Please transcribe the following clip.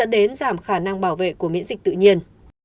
đến giảm khả năng bảo vệ của miễn dịch tự nhiên